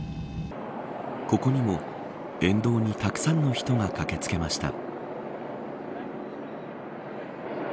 ここにも、沿道にたくさんの人が駆け付けました。